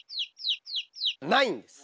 ないんです。